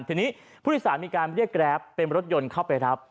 ทีนี้ผู้โดยสารมีการเรียกแกรปเป็นรถยนต์เข้าไปรับ